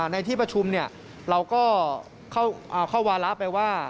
ในที่ประชุมเราก็เข้าวาระไปว่า